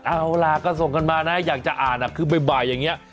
เอาล่ะก็ส่งกันมานะอยากจะอ่านคือบ่ายอย่างนี้